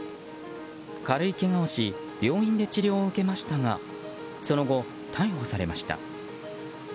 軽いけがをし病院で治療を受けましたがその後、逮捕されました。